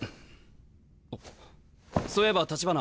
あそういえば橘。